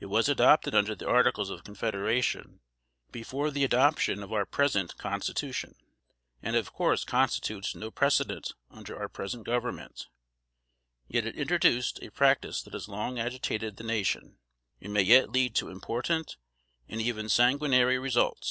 It was adopted under the articles of Confederation, before the adoption of our present constitution, and of course constitutes no precedent under our present government; yet it introduced a practice that has long agitated the nation, and may yet lead to important and even sanguinary results.